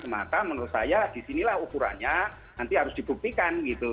maka menurut saya disinilah ukurannya nanti harus dibuktikan gitu